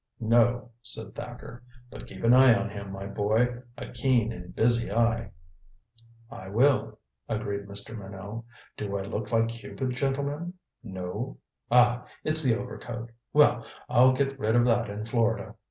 "No," said Thacker. "But keep an eye on him, my boy. A keen and busy eye." "I will," agreed Mr. Minot. "Do I look like Cupid, gentlemen? No? Ah it's the overcoat. Well, I'll get rid of that in Florida.